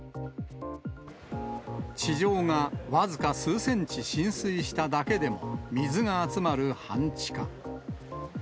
地上が僅か数センチ浸水しただけでも、水が集まる半地下。